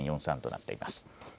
なっています。